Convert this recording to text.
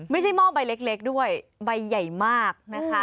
หม้อใบเล็กด้วยใบใหญ่มากนะคะ